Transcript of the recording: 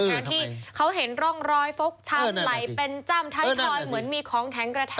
ทั้งที่เขาเห็นร่องรอยฟกช้ำไหลเป็นจ้ำท้ายทอยเหมือนมีของแข็งกระแท